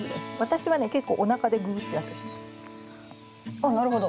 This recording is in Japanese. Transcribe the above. あっなるほど。